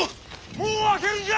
門を開けるんじゃ！